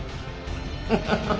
ハハハハッ！